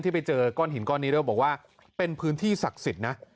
ไปเจอก้อนหินก้อนนี้แล้วบอกว่าเป็นพื้นที่ศักดิ์สิทธิ์นะ